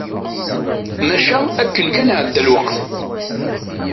Maca akken kan iɛedda lweqt.